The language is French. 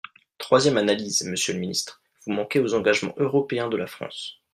Troisième analyse, monsieur le ministre, vous manquez aux engagements européens de la France.